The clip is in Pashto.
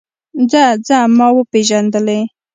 ځه ځه ما وپېژندلې.